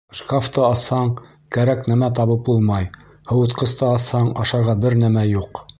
Шкафты асһаң, кәрәк нәмә табып булмай, һыуытҡысты асһаң, ашарға бер нәмә юҡ!